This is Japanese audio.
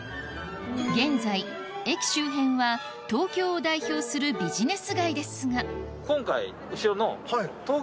現在駅周辺は東京を代表するビジネス街ですが今回後ろの。